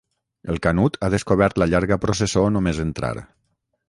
El Canut ha descobert la llarga processó només entrar.